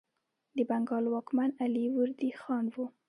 د بنګال واکمن علي وردي خان و.